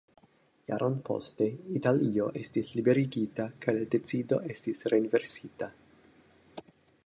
Jaron poste, Italio estis liberigita kaj la decido estis renversita.